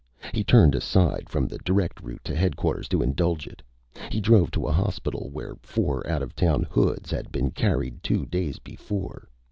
He turned aside from the direct route to Headquarters to indulge it. He drove to a hospital where four out of town hoods had been carried two days before.